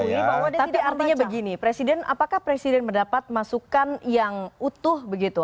tapi artinya begini presiden apakah presiden mendapat masukan yang utuh begitu